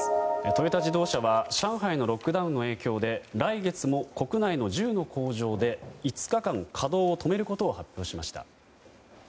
トヨタ自動車は上海のロックダウンの影響で来月も国内の１０の工場で５日間稼働を止めることを発表しました。